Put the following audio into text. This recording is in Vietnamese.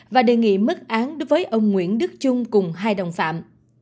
và đề nghị mức án đối với ông nguyễn đức trung cùng hai đồng phạm